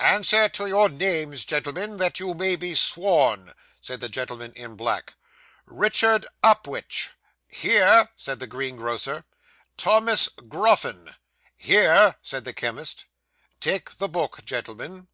'Answer to your names, gentlemen, that you may be sworn,' said the gentleman in black. 'Richard Upwitch.' 'Here,' said the greengrocer. 'Thomas Groffin.' 'Here,' said the chemist. 'Take the book, gentlemen.